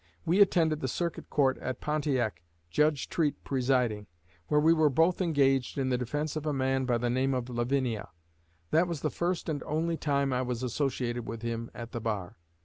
We attended the Circuit Court at Pontiac, Judge Treat presiding, where we were both engaged in the defense of a man by the name of Lavinia. That was the first and only time I was associated with him at the bar.